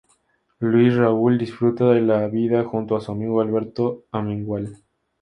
Luis Raúl disfruta de la vida junto a su amigo Alberto Amengual.